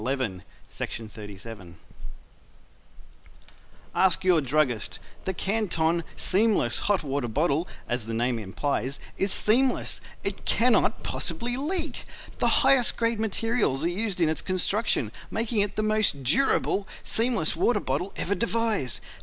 CLEMENS, MICHIGAN Ask Your Druggist The Canton SEAMLESS Hot Water Bottle, as the name implies, is SEAMLESS it cannot possibly leak. The highest grade materials are used in its construction, making it the most DURABLE seamless water bottle ever devised.